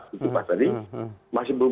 itu pak tadi masih belum